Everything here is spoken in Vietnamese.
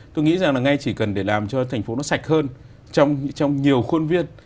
tôi nghĩ rằng là ngay chỉ cần để làm cho thành phố nó sạch hơn trong nhiều khuôn viên